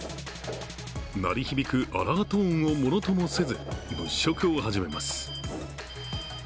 鳴り響くアラート音をものともせず物色を始めます。